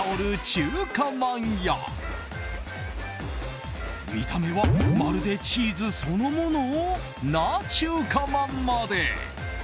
中華まんや見た目はまるでチーズそのものな中華まんまで。